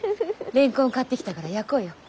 レンコン買ってきたから焼こうよ。